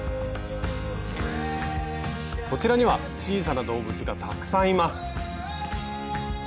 こちらには小さな動物がたくさんいます。